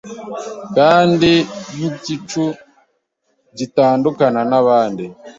kandi nkigicu gitandukana nabandi